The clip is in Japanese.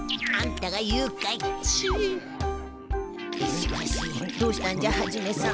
しかしどうしたんじゃハジメさん。